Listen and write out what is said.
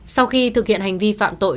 sau khi thực hiện hành vi phạm tội